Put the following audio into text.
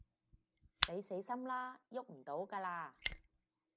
你死心啦，逳唔到㗎喇